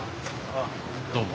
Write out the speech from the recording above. あっどうも。